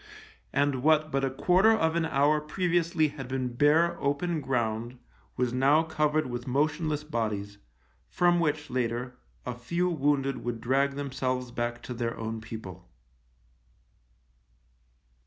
And what but a quarter of an hour previously had been bare, open ground was now covered with motionless bodies, from which, later, a few wounded would drag themselves back to their own people.